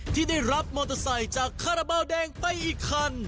ที่ได้รับมอเตอร์ไซค์จากคาราบาลแดงไปอีกคัน